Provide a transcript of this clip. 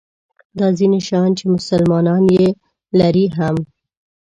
دا ځیني شیان چې مسلمانان یې لري هم.